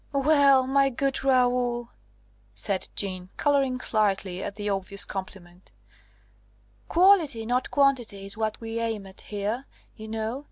"Well, my good Raoul," said Jeanne, colouring slightly at the obvious compliment, "quality, not quantity, is what we aim at here, you know.